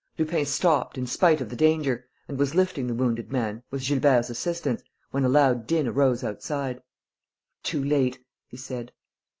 Lupin stopped, in spite of the danger, and was lifting the wounded man, with Gilbert's assistance, when a loud din arose outside: "Too late!" he said.